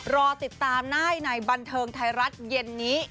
รอติดตามได้ในบันเทิงไทยรัฐเย็นนี้